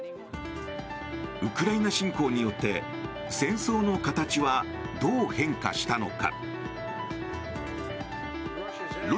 ウクライナ侵攻によって戦争の形はどう変化したのか。